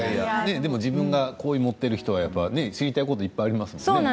自分が好意を持っている人は知りたいこといっぱいありますもの。